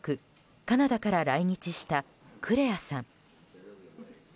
カナダから来日したクレアさん。